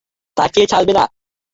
তাকে ছাড়বে না।